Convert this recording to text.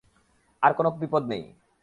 আর কোনো বিপদ নেই।